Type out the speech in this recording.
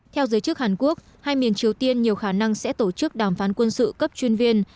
theo giới chức hàn quốc hai miền triều tiên nhiều khả năng sẽ tổ chức đàm phán quân sự cấp chuyên viên